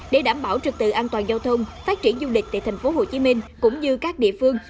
để đảm bảo trực tự an toàn giao thông phát triển du lịch tại tp hcm cũng như các địa phương